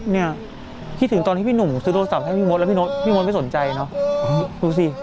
เนี่ยคิดถึงตอนที่พี่หนุ่มซื้อโทรศัพท์ให้พี่มดแล้วพี่มดไม่สนใจเนอะดูสิ